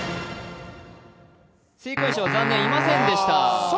正解者は残念、いませんでした。